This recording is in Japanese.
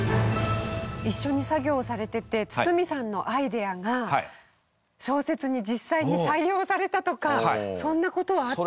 一緒に作業されてて堤さんのアイデアが小説に実際に採用されたとかそんな事は。